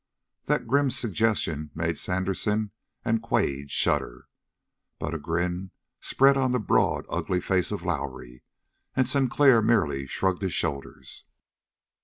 That grim suggestion made Sandersen and Quade shudder. But a grin spread on the broad, ugly face of Lowrie, and Sinclair merely shrugged his shoulders.